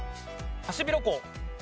ハシビロコウ。